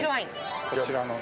こちらの。